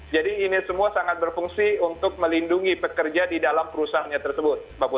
jadi ini semua sangat berfungsi untuk melindungi pekerja di dalam perusahaannya tersebut